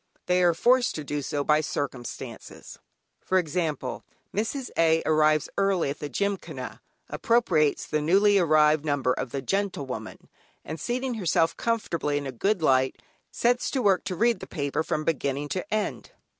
They are forced to do so by circumstances. For example, Mrs. A. arrives early at the Gymkhana, appropriates the newly arrived number of the "Gentlewoman," and seating herself comfortably in a good light, sets to work to read the paper from beginning to end.